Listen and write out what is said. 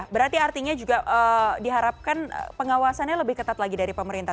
berarti artinya juga diharapkan pengawasannya lebih ketat lagi dari pemerintah